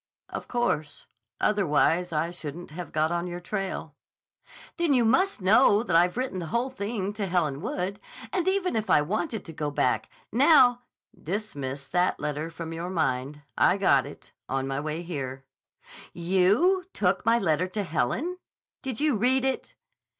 "Of course. Otherwise I shouldn't have got on your trail." "Then you must know that I've written the whole thing to Helen Wood, and even if I wanted to go back, now—" "Dismiss that letter from your mind. I got it, on my way here." "You took my letter to Helen? Did you read it?"